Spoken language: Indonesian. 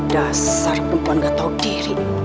dasar perempuan gak tahu diri